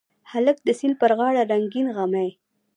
هلک د سیند پر غاړه رنګین غمي